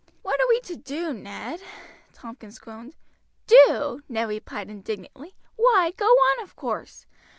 "What are we to do, Ned?" Tompkins groaned. "Do!" Ned replied indignantly. "Why, go on, of course.